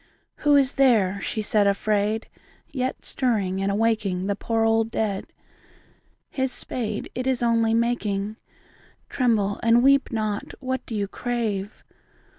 Who is there, she said afraid, yet Stirring and awaking The poor old dead? His spade, it Is only making, — (Tremble and weep not I What do you crave